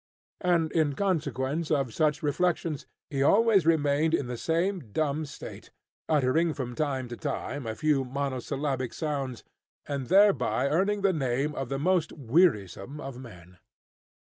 And in consequence of such reflections, he always remained in the same dumb state, uttering from time to time a few monosyllabic sounds, and thereby earning the name of the most wearisome of men.